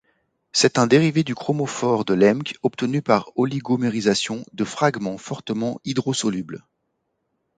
C'est un dérivé du chromophore de Lemke obtenu par oligomérisation de fragments fortement hydrosolubles.